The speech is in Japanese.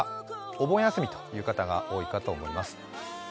お盆休みという方が多いかと思います。